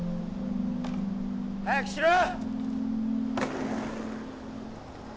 早くしろ！